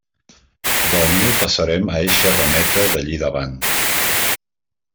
Del niu passarem a eixa rameta d'allí davant.